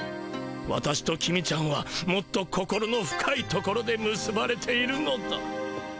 私と公ちゃんはもっと心の深いところでむすばれているのだ。